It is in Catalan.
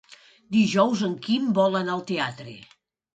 Dijous en Quim vol anar al teatre.